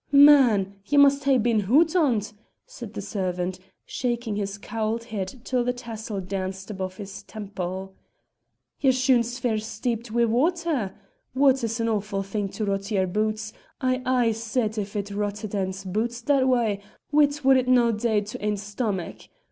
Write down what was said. "Man, ye must hae been hot on't!" said the servant, shaking his cowled head till the tassel danced above his temple. "Ye'r shoon's fair steeped wi' water. Water's an awfu' thing to rot ye'r boots; I aye said if it rotted ane's boots that way, whit wad it no' dae to ane's stamach?